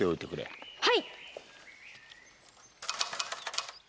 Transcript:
はい！